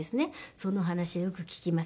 その話をよく聞きますけど。